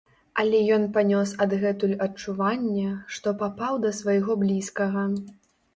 Але ён панёс адгэтуль адчуванне, што папаў да свайго блізкага.